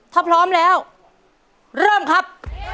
ถ้าพร้อมแล้วเริ่มครับ